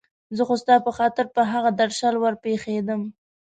زه خو ستا په خاطر پر هغه درشل ور پېښېدم.